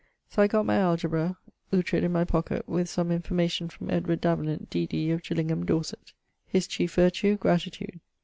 [VIII.] So I got my Algebra, Oughtred in my pocket, with some information from Edward Davenant, D.D., of Gillingham, Dorset. His chiefe vertue, gratitude.